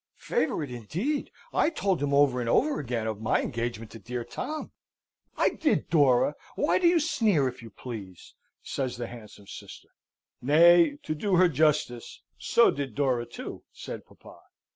"Favourite, indeed! I told him over and over again of my engagement to dear Tom I did, Dora why do you sneer, if you please?" says the handsome sister. "Nay, to do her justice, so did Dora too," said papa.